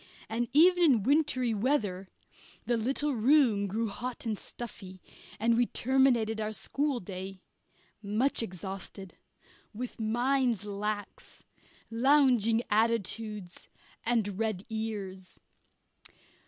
And even in wintry weather the little room grew hot and stuffy, and we terminated our schoolday, much exhausted, with minds lax, lounging attitudes, and red ears.